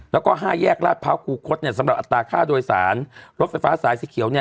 แล้วก็๕แยกลาดเภาคูคลสำหรับอัตราค่าโดยสารรถไฟฟ้าสายซีเขียว